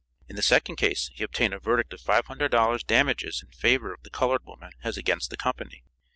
In the second case, he obtained a verdict of $500.00 damages in favor of the colored woman as against the company.